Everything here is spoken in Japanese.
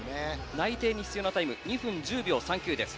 内定に必要なタイム２分１０秒３９です。